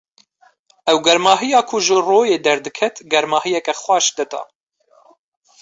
Ew germahiya ku ji royê derdiket, germahiyeke xweş dida.